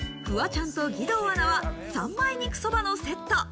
フワちゃんと義堂アナは、三枚肉そばのセット。